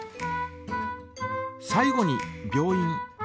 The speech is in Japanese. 最後に病院。